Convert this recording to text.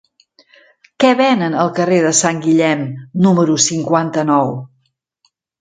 Què venen al carrer de Sant Guillem número cinquanta-nou?